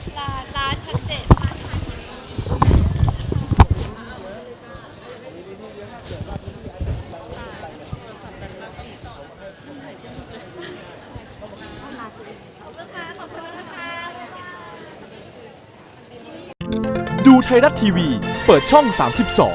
ขอบคุณค่ะขอบคุณค่ะ